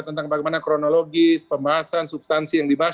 tentang bagaimana kronologis pembahasan substansi yang dibahas